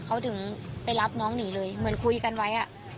เขาถึงไปรับน้องหนีเลยเหมือนคุยกันไว้